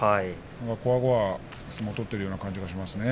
こわごわ相撲を取っているような感じがしますね。